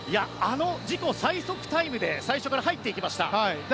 自己最速タイムで最初から入っていきました。